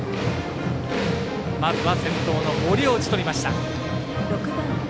まずは先頭の森を打ちとりました。